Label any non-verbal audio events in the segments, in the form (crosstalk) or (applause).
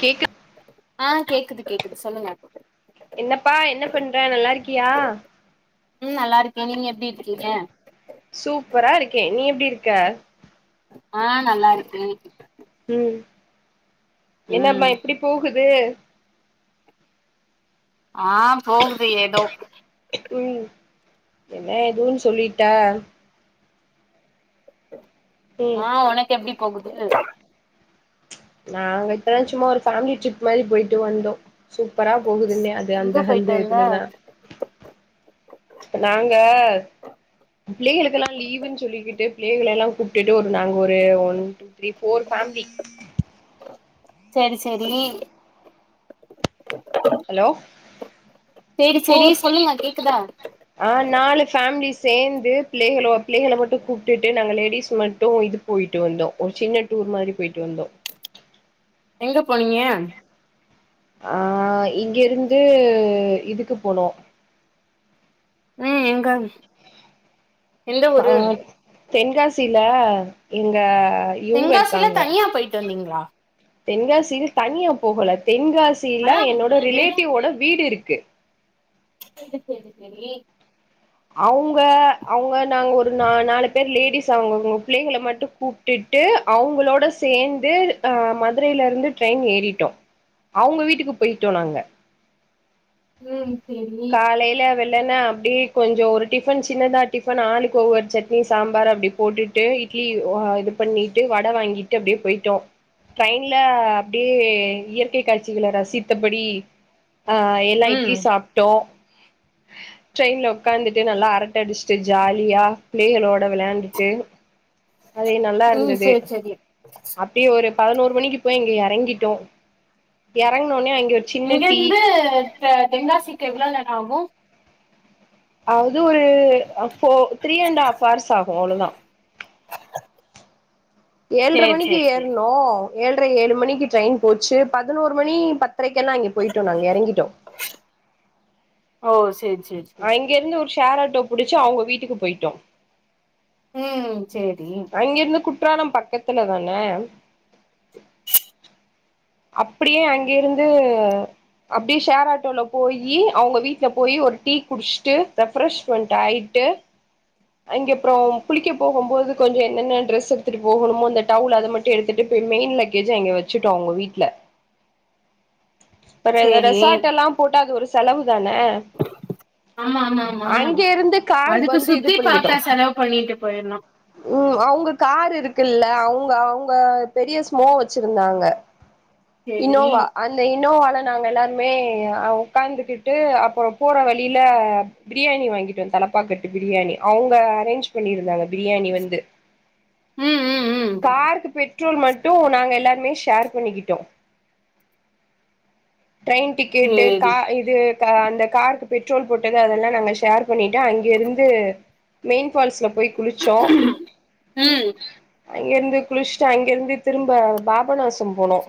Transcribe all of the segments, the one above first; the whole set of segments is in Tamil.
கேக் ஆஹ் கேக்குது கேக்குது சொல்லுங்க என்னப்பா என்ன பண்ற நல்லா இருக் உம் நல்லா இருக்கேன் நீங்க எப்படி இருக் (unintelligible) சூப்பரா இருக்கேன் நீ எப்டி இருக்க ஆஹ் நல்லா இருக்கேன் ம் என்னம்மா எப்டி போகு வே ஆ போகுது ஏதோ உம் என்ன எதுன்னு சொல்லிட்ட ம் ஆ உனக்கு எப்படி போகுது நாங்க இப்போ தான் சும்மா ஒரு ஃபேமிலி ட்ரிப் மாரி போயிட்டு வந்தோம் சூப்பரா போகுதுன்னே அது எங்க அந்த போயிட்டு அந்த வந்த இதுலதான் பிள்ளைகளா எல்லா கூப்பிட்டு ஒரு நாங்க ஒரு one two three four family சரி சரி ஹலோ சேரி ஃபோர் சொல்லுங்க கேக்குதா ஆ நாலு பேமிலிஸ் சேர்ந்து பிள்ளைகளை பிள்ளைகளை மட்டும் கூப்பிட்டுட்டு நாங்க லேடிஸ் மட்டும் இது போயிட்டு வந்தோம் ஒரு சின்ன டூர் மாரி போயிட்டு வந்தோம் எங்க போனீங்க ஆஹ் இங்க இருந்து இதுக்கு போனோம் உம் எங்க எந்த ஒரு ஆ ஊரு தென்காசில எங்க இவங்க தென்காசில இருக்காங்க தனியா போயிட்டு வந்தீங்களா தென்காசியில தனியா போகல தென் ஆ தென்காசியில என்னோட ரிலேட்டிவ்வோட வீடு இருக்கு கே சரி சரி அவுங்க அவுங்க நாங்க ஒரு நா நாலு பேர் லேடிஸ் அவங்கங்க பிள்ளைகளை மட்டும் கூப்பிட்டு அவங்களோட சேர்ந்து அஹ் மதுரையில இருந்து ட்ரெயின் ஏறிட்டோம் அவுங்க வீட்டுக்கு போயிட்டோம் நாங்க உம் காலைல வெ ல்லன்னா அப்படி கொஞ்சம் ஒரு டிஃபன் சின்னதா டிஃபன் ஆளு கோர் சட்னி சாம்பார் அப்டி போட்டுட்டு இட்லி இது பண்ணிட்டு வடை வாங்கிட்டு அப்படியே போயிட்டோம் ட்ரெயின்ல அப்படியே இயற்கை காட்சிகள ரசித்தபடி ஆஹ் எல்லா ம் இட்லி சாப் ட்ரெயின்ல உக்காந்துட்டு நல்லா அரட்டை அடிச்சுட்டு ஜாலியா பிள்ளைகளோட விளையாண்டுட்டு அதே நல்லா ம் இருந்தது சேரி சேரி அப்படியே ஒரு பதினோரு மணிக்கு போய் இங்க யார் இறங்கிட்டோம் இறங்கண ஒன்னே அங் இங்க இந்து தெ தென்காசிக்கு எவ்வளவு நேரம் ஆகும் அது ஒரு போ த்ரீ அண்ட் ஹாஃப் அவர்ஸ் ஆகும் அவ்வோள தான் ஏழ்ரை சேரி மணிக்கு சேரி சேரி ஏறனோம் ஏழ்ரை ஏழு மணிக்கு ட்ரெயின் போச்சு பதினோரு மணி பத்திரைக்கெல்லாம் அங்க போயிட்டோம் நாங்க இறங்கிட்டோம் ஓ சேரி சேரி சேரி இங்க இருந்து ஒரு ஷ் ஷேர்ஆட்டோ புடிச்சு அவங்க வீட்டுக்கு போயிட்டோம் உம் சேரி குற்றாலம் பக்கத்துல தானே அப்படியே அங்க இருந்து அப்டியே ஷேர் ஆட்டோல போயி அவங்க வீட்டுல போய் ஒரு டீ குடிச்சுட்டு ரெப்ரெஷ்மெண்ட் ஆயிட்டு அங்கப்புறம் குளிக்க போகும் போது கொஞ்சம் என்னென்ன ட்ரெஸ் எடுத்துட்டு போகணமோ அந்த டவுல் அதை மட்டும் எடுத்துட்டு போய் மெயின் லக்கேஜ் அங்க வச்சுட்டோம் அவங்க வீட்டு இல்ல சேரி அப்றம்ரெசார்ட் எல்லாம் போட்டா அது ஒரு செலவு தானே ஆமா ஆமா ஆமா அங்க இருந்து கார் அதுக்கு வந்து இது சுத்தி பாக்க பண்ணிக்கிட்டோம் செலவு பண்ணிட்டு போயிர்ணு உ அவுங்க கார் இருக்குல்ல அவுங் அவுங்க பெரிய ஸ்மோ வச்சிருந்தாங்க சேரி இன்னோவா அந்த இன்னோவால நாங்க எல்லாருமே உட்கார்ந்துகிட்டு அப்புறம் போற வழியில பிரியாணி வாங்கிட்டும் தலப்பாக்கட்டு பிரியாணி அவங்க அரேஞ்ச் பண்ணிருந்தாங்க பிரியாணி வந்து ம் ம் ம் காருக்கு போய்ட் பெற்றேர் மட்டும் நாங்க எல்லாருமே ஷேர் பண்ணிக்கிட்டு ட்டம் டிரெயின் டிக்கெட்டு் கா சேரி இது அந்த காருக்கு பெட்ரோல் போட்டது அதெல்லாம் நாங்க ஷேர் பண்ணிட்டு அங்கிருந்து மெயின் பால்ஸ்ல போய் குளிச்சோம் ம் அங்கிருந்து குளிச்சுடு அங்கிருந்து திரும்ப பாபநாசம் போனோம்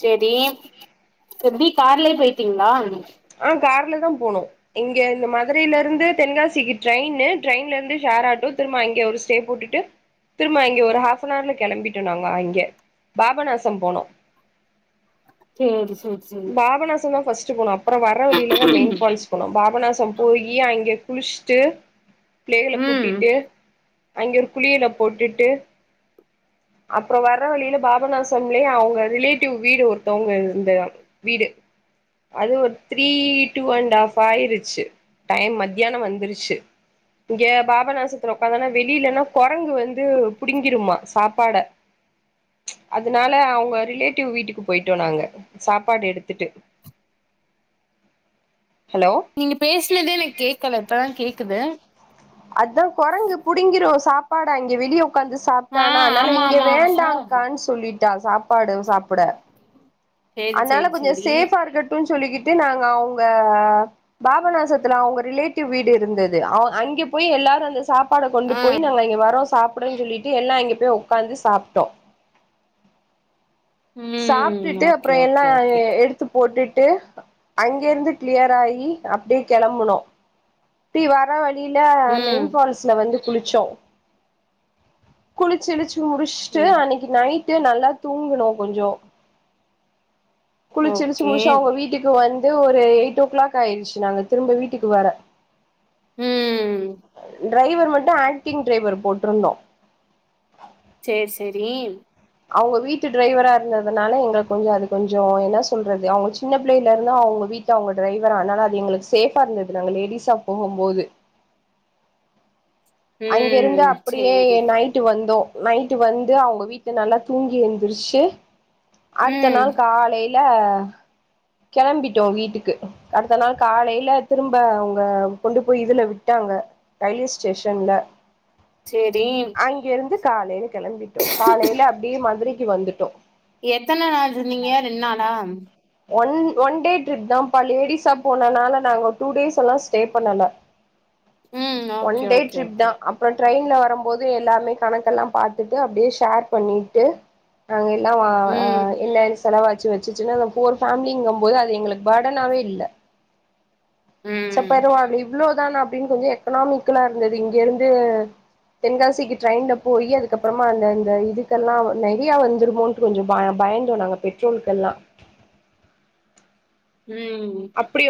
சேரிஎப்டி கார்லே போயிட்டீங்களா ஆஹ் கார்ல தான் போனோம் இங்க இந்த மதுரையில இருந்து தென்காசிக்கு ட்ரெயின் ட்ரெயின்ல ருந்து ஷேர் ஆட்டோ திரும்ப அங்க ஒரு ஸ்டே போட்டுட்டு திரும்ப இங்க ஒரு ஹாஃப் அவர்ல கிளம்பிட்டு நாங்க அங்க பாபநாசம் போனோம் சேரி சரி பாபனாச தான் பஸ்ட் திருச்சி போலம் அப்பறம் வர வழியில தான் மெயின் பால்ஸ் போனம் பாபநாஸ் போயி அங்க குளிச்சுட்டு பிள்ளகள ம் கூட்டிட்டு அங்க ஒரு குளியில போட்டுட்டு அப்பறம் வரற வழியில பாபநாசத்தூலயே அவங்க ரிலேட்டிவ் வீடு ஒருத்தவங்க இருந்த வீடு அது ஒரு த்ரீ டூ அண்ட் ஹாப் ஆயிருச்சு டைம் மத்தியானம் வந்துருச்சு இங்க பாபா நாசத்த உக்காந்தானா வெளியிலன்னா குரங்கு வந்து புிடிங்கிருமா சாப்பாடை அதனால அவங்க ரிலேட்டிவ் வீட்டுக்கு போயிட்டோம் நாங்க சாப் சப்பாட எடுத்துட்டு ஹலோ நீங்க பேசினதே எனக்கு கேக்கல இப்பதான் கேக் பத்து இருக்குது அததான் குரங்கு புடிங்கிரும் சாப்ப படாங்கி வெடியோ வந்து ஆ சாப்பிட்டான ஆனால ஆமா இங்க ஆமா ஆமா வேண்டாம்கான்னு சொல்லிட்டு நான்சாப்பு சாப்பாடு சாப்பிட சேரி அதனால சேரி கொஞ்சம் சேரி சேஃபா இருக்கட்டும் சொல்லிக்கிட்டு நாங்க அவங்க பாபநாசத்துல அவங்க ரிலேட்டிவ் வீடு இருந்தது அங்கே போய் எல்லாரும் அந்த சாப்பு சாப்பாட கொண்டு ஆ போய் நாங்க இங்க வரம் சாப்பு பிடே சொல்லிட்டு எல்லா இங்க போய் ஒக்காந்து சாப்ட்டோ ம் சாப்ட்டுட்டு ஓகே அப்புற எல்லா ஓகே ஓகே எடுத்து போட்டுட் டு அங்கிருந்து கிளியர் ஆகி அப்டியே கெளம்பனு டீ வரவலி லில மெயின் ம் பால்ஸ்ல வந்து குளிச்சோ குளிச்கிளிச்சு முடிஸ்ட்டு ம் அன்னைக்கு நைட் டு நல்லா தூங்கணு கொஞ்சோ குளிச்சிகிளிச்சு ஓகே முடிச்சி அவுங்க வீட்டுக்கு வந் து ஒரு எயிட் ஓ கிளாக் ஆயிடுச்சி நாங்க திரும்ப வீட்டுக்கு வர ம் டிரைவர் மட்டு ஆக்டிங் டிரைவர் போட்டிருந்தோ சேரி செரி அவுங்க வீட்டு டிரைவரா இருந்ததுனால எங்கள கொஞ்ச அது கொஞ்ச என்ன சொல்றது அவுங்க சின்ன பிள்ளைையிலருந்தா அவுங்க வீட்டு அவுங்க டிரைவரா அதனால அது எங்களுக்கு சேஃபா இருந்தது நாங்க லேடிஸா போகும்போது அங்கிருந்து ம் அப்டியே சேரி நைட்டு வந்தோ நைட்டு வந்து அவுங்க வீட்டு நல்லா தூங்கி எந்திருச்சி அடுத்த ம் நாள் காலை இல்ல கிளம்பிட்டோ வீட்டுக்கு அடுத்த நாள் காலையில திரும்ப அவுங்க கொண்டு போய் இதுல விட்டாங்க ரயில்வே ஸ்டேஷன்ல செரி அங்கிருந்து காலையில கிளம்பிட்டோ காலையில அப்டியே மதுரைக்கு வந்துட்டோ எத்தன நாள் இருந்தீங்க ரெண்டு நாளா ஒன் ஒன் டே ட்ரிப் தாம்ப்பா லேடிஸா போனனால நாங்க டூ டேஸ் எல்லா ஸ்டே பண்ணல ம் one okay day okay trip okay தா அப்புற ட்ரெயின்ல வரும் போது எல்லாமே கணக்கெல்லா பாத்துட்டு அப்டியே ஷேர் பண்ணிட்டு அங்க எல்லா வா ம் இல்லே செலவா ச்சி வச்சிசினா ஒரு ஃபேமிலி இங்கும் போது அது எங்களுக்கு ஃபா்டனாவே இல்ல ச ம் பரவால்ல இவ்ளோ தா அப்டின்னு கொஞ்ச எக்கனாமிக்கலா இருந்தது இங்கிருந்து தென்காசிக்கு ட்ரெயின்ல போயி அதுக்கப்புறமா அந்த அந்த இது கெல்லா நெறைய வந்துருமோன்ட்டு கொஞ்ச ப பயந்தோ நாங்க பெட்ரோலுகெல்லா உம்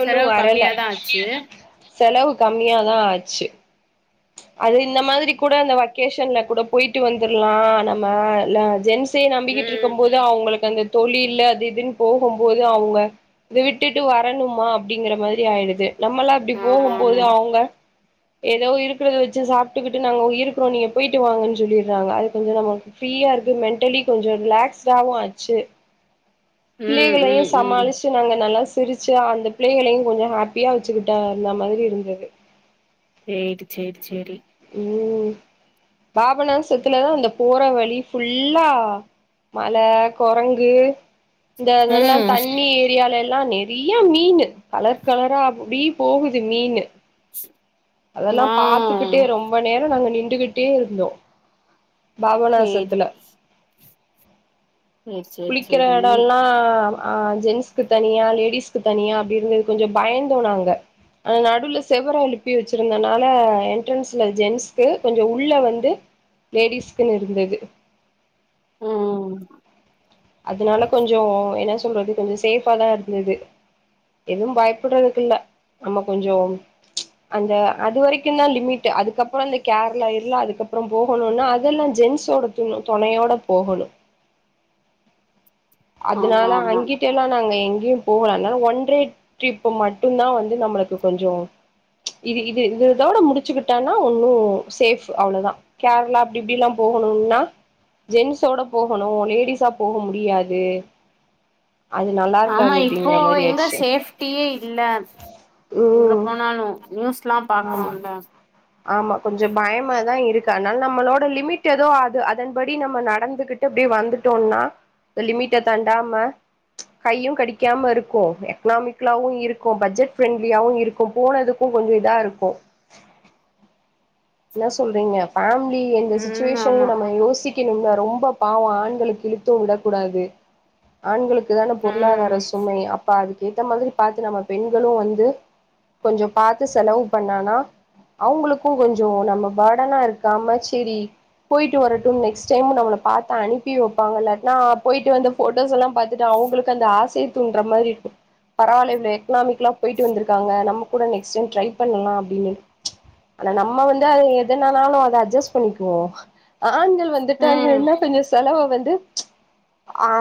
செலவு வரல கம்மியாதா ஆச்சி செலவு கம்மியாதா ஆச்சி அது இந்த மாதிரி கூட அந்த வக்கேஷன்ல கூட போயிட்டு வந்துற்லா நம்ம லா ஜென்ஸ் ஸே நம்பிக்கிட்டு ம் இருக்கும் போது அவங்களுக்கு அந் தொழில்ல அது இதுன்னு போகும்போது அவுங்க இத விட்டு வரணுமா அப்டிங்கற மாரி ஆயிடுது நம்மெல்லா அப்டி ஆமா போகும்போது ஆமா அவுங்க ஏதோ இருக்கிறத வச்சி சாப்ட்டுக்கிட்டு நாங்க இருக்கிறோ நீங்க போயிட்டு வாங்கன் சொல்லிர்றாங்க அது கொஞ்ச நமக்கு ஃப்ரீயா இருக்கு மென்டலி கொஞ்சொ ரிலாக்ஸ்டாவு ஆச்சு ம் பிள்ளைகளையு ம் ம் சமாளிச்சு நாங்க நல்லா சிரிச்சா அந்த பிள்ளேகளயு கொஞ்ச ஹாப்பியா வச்சிகிட்டாருந்த மாதிரி இருந்தது சேரி சேரி சேரி உம் பாபநாசத்துலதா அந்த போற வழி ஃபுல்லா மல கொரங்கு இந்த அதல்லா ம் தண்ணி ஏரியாலல் லாம் நெறிய மீனு கலர் கலரா அப்டி போகுது மீனு (inaudible) அதல்லாம ஆ பாத்துக்கிட்டே ரொம்ப நேர நாங்க நின் டுகிட்டே இருந்தோ சேரி பாபநாசத்துல சேரி சேரி குளிக்கிற சேரி எடொல்லா ஆ ஜென்ஸ்க்கு தனியா லேடிஸ்கு தனியா அப்டி இருந்தது கொஞ்சொ பயந்தோ நாங்க அது நடுல செவுற எழுப்பி வச்சிருந்தனால என்ட்ரன்ஸ்ல ஜென்ஸ்க்கு கொஞ்ச உள்ள வந்து லேடிஸ்க்குன்னு இருந்தது உம்‌ உம் உம் அதனால கொஞ்சொ என்ன சொல்றது கொஞ்சொ சேஃப்ஃபாதா இருந்தது எதும் பயப்படுறதுக்கில்ல நம்ம கொஞ்சம் அந்த அது வரைக்கும் தா லிமிட்டு் அதுக்கப்புறொ இந்த கேரளா இருளா அதுக்கப்புறம் போகணுன்னா அதெல்லா ஜென்ஸோட துண தொணையோட போகணு ஆமா அதுனால ஆமா அங்கிட்டெல்லா நாங்க எங் கயும் போகல என ஒன்டே ட்ரிப்பு மட்டுந்தா வந்து நம்மளுக்கு கொஞ்சொ இது இது இதோட முடிச்சுக்கிட்டன்னா ஒன்னு சேஃப் அவ்ளதா கேரளா அப்டி இப்டில்லா போகணும்னா ஜென்ஸோட போகணு‌ லேடிஸா போக முடியா து ஆமா இப்போ எங்க சேஃப்டியே இல்ல எங்க ம் போனாலு நியூஸ்லா ஆமா பாக்குறோம்ல த அனால் நம்மளோட லிமிட் எதோ அது அதன்படி நம்ம நடந்துகிட்டு அப்படி வந்துட்டோம்னா லிமிட்ட தாண்டாம கையும் கடிக்காம இருக்கு எக்கனாமிக்லாவு இருக்கு பட்ஜெட் ஃப்ரெண்ட்லியாவு இருக்கும் போனதுக்கு கொஞ்ச இதா இருக்கு என்ன சொல்றீங்க ஃபேமிலி எந்த ம் சிச்சுவேஷன் ஆமா நம்ம யோசி க்கெணும்னா ரொம்ப பாவொ ஆண்களுக்கு இழுத்து விடக்கூடாது ஆண்களுக் குதான பொருளாதார ம் சுமை அப்ப அதுக் ஏத்த மாதிரி பாத்து நம்ம பெண்களு வந்து கொஞ்ச பாத்து செலவு பண்ணானா அவுங்களுக்கு கொஞ் சோ நம்ம பர்டன இருக்காம சேரி போயிட்டுவரட்டும் நெக்ஸ்ட் டைம் நம்மல பாத்து அனுப்பி வப்பாங்க இல்லாட்னா போயிட்டு வந்த ஃபோட்டோஸ் எல்லாம் பாத்துட்டு அவுங்களுக்கு அந்த ஆசைய தூண்டுற மாரி இருக்கு பரவால்ல இவ்ள எக்கனாமிக்ளா போயிட்டு வந்துருக்காங்க நம்ப கூட நெக்ஸ்ட் டைம் ட்ரை பண்ணலா அப்டின்னு நம்ம வந்து அது எதுனனாலு அத அட்ஜஸ்ட் பண்ணிக்குவோ ஆண்கள் ம் வந்துட்டாங்கன்னா கொஞ்ச செலவ வந் து அ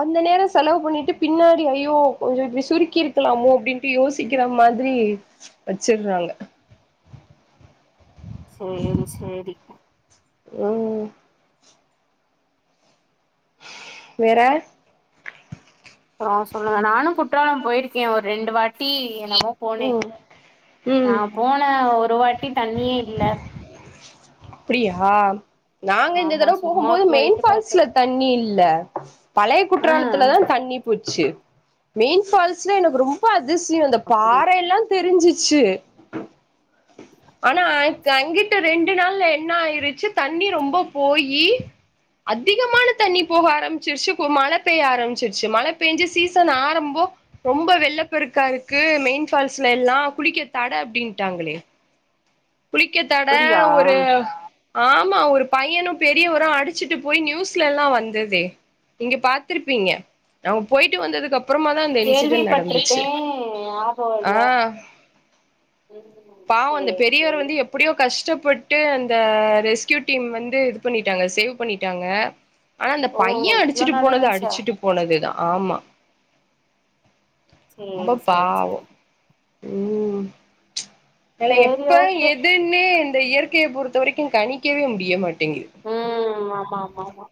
அந்த நேர செலவு பண்ணிட்டு பின்னாடி ஐயோ கொஞ்சொ இப்டி சுருக்கி இருக்கலாமோ அப்டின்ட்டு யோசிக்கிற மாதிரி வச்சுட்றாங்க சேரி சேரி உம் வேற அப்பறொ சொல்லுங்க நானு குற்றாலம் போயிருக்கே ஒரு ரெண்டு வாட் டி என்னமோ போனே ம் நா ம் போன ஒரு வாட் ட்டி தண்ணியே இல்ல அப்பிடியா நாங்க இந்த ஆமா தடவ போகும் சும்மா போது போயிட்டு பாத்தே மெயின்ஃபால்ஸ்ல தண்ணி இல்ல பழைய ஆ குற்றாலத்துல தா தண்ணி போச்சு மெயின் ஃபால்ஸ்ல எனக்கு ரொம்ப அ திசியோ அந்த பாறைல்லா தெரிஞ்சுச்சு ஆனா அக் அங்கிட்டு ரெண்டு நாள் எ ன்ன ஆயிருச்சு தண்ணி ரொம்ப போயி அதிகமான தண்ணி போக ஆரம்பிச்சிருச்சு இப்போ மழ பேய ஆரம்பிச்சிருச்சு மழ பேஞ்சு சீசன் ஆரம்போ ரொம்ப வெள்ள பெருக்கா இருக்கு மெயின் ஃபால்ஸ்லல்லா குளிக்க தட அப்டின்ட்டாங்களே குளிக்க தட அப்டியா ஒரு ஆமா ஒரு பையனு பெரியவரு அடிச்சிட்டு போய் நியூஸ்லல்லா வந்ததே நீங்க பாத்துருப்பீங்க அவங்க போயிட்டு வந்ததுக்கு அப் பறமாதா அந்த இன்சிடென்ட் கேள்விப்பட்டிருக்கே நடந்துச்சு ஞாபகோ ஆ இல்ல ம் பாவோ அந்த சேரி பெரியவர் சேரி வந்து எப்டியோ கஷ்டப் பட்டு அந் த ரெஸ்கியூ டீம் வந்து இது பண்ணிட்டாங்க சேவ் பண்ணிட்டாங்க ஆனா அந்த ஓ பைய இவ்ளோ அடிச்சுட்டு போனது நடந்துச்சா அடிச்சுட்டு போனதுதா ஆமா சேரி சேரி சேரி உம் அதுல சேரி எப்ப ஓகே எதுன்னு இல்ல இயற்கைய பொறுத்தவரைக்கு கணிக்கவே முடிய மாட் டிங்கிது மாம்மாம்மா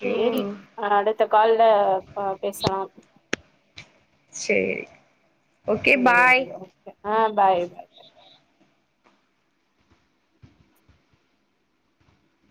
சேரி ம் அடு த்த கால்ல ப பேசலாம் சேரி ஓகே பாய் சேரி ஓகே ஆஹ் பாய் பாய் பாய்